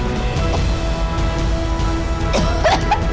ya ampun tentang ini